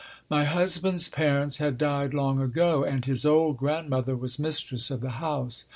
My husband's parents had died long ago, and his old grandmother was mistress of the house.